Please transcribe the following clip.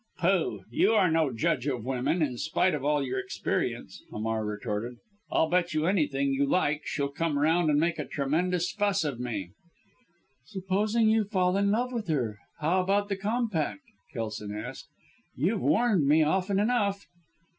"Pooh! You are no judge of women, in spite of all your experience," Hamar retorted. "I'll bet you anything you like she'll come round and make a tremendous fuss of me." "Supposing you fall in love with her, how about the compact?" Kelson asked. "You've warned me often enough."